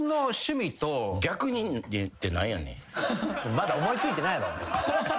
まだ思い付いてないやろお前。